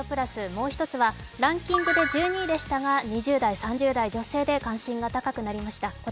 もう１つはランキングで１２位でしたが、２０代、３０代女性で関心が高くなりました。